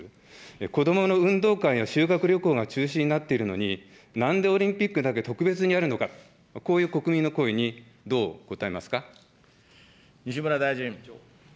子どもの運動会や修学旅行が中止になっているのに、なんでオリンピックだけ特別にやるのか、こう西村大臣。